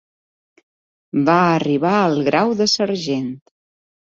Va arribar al grau de sergent.